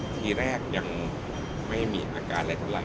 ทีแรกยังไม่มีอาการอะไรเท่าไหร่